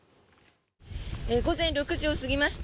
午前６時を過ぎました。